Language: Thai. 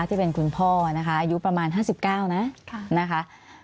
ที่เป็นคุณพ่อนะคะอายุประมาณ๕๙นะนะคะ